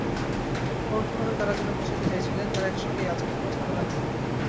পরোক্ষভাবে তাঁরা যেন বোঝাতে চাইছিলেন, তাঁরা একসঙ্গেই আছেন, কোনো ঝামেলা নেই।